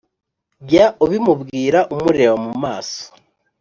jya ubimubwira umureba mu maso